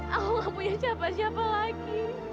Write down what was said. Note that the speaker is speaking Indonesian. aku gak punya siapa siapa lagi